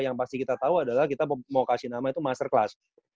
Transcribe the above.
yang pasti kita tau adalah kita mau kasih nama itu masterclass